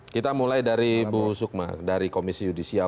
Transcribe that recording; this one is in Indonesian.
kita mulai dari bu sukma dari komisi yudisial